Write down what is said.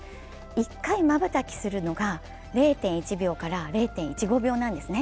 １回、まばたきするのが０．１秒から０．１５秒なんですね。